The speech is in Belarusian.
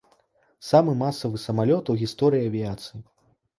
Самы масавы самалёт у гісторыі авіяцыі.